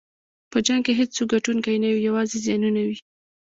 په جنګ کې هېڅوک ګټونکی نه وي، یوازې زیانونه وي.